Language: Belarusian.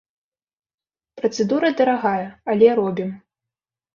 Працэдура дарагая, але робім.